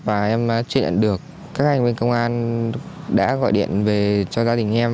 và em truy nhận được các anh bên công an đã gọi điện về cho gia đình em